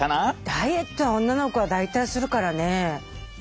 ダイエットは女の子は大体するからね。